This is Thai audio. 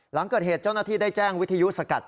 หลังเกิดเหตุเจ้าหน้าที่ได้แจ้งวิทยุสกัด